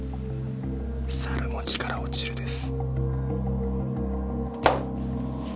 「猿も木から落ちる」です。